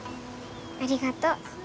ありがとう。